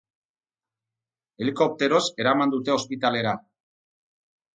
Helikopteroz eraman dute ospitalera.